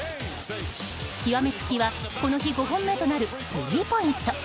極め付きは、この日５本目となるスリーポイント。